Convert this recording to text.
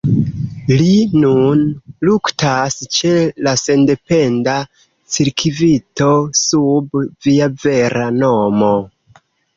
Li nun luktas ĉe la sendependa cirkvito sub sia vera nomo.